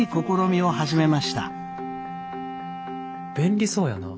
便利そうやな。